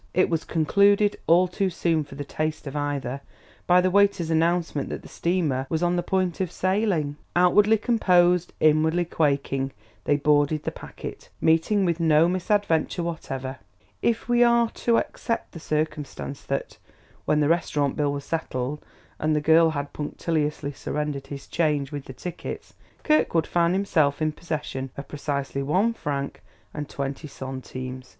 It was concluded, all too soon for the taste of either, by the waiter's announcement that the steamer was on the point of sailing. Outwardly composed, inwardly quaking, they boarded the packet, meeting with no misadventure whatever if we are to except the circumstance that, when the restaurant bill was settled and the girl had punctiliously surrendered his change with the tickets, Kirkwood found himself in possession of precisely one franc and twenty centimes.